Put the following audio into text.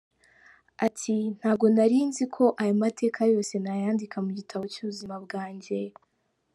Ati “Ntabwo nari nzi ko aya mateka yose nayandika mu gitabo cy’ubuzima bwanjye.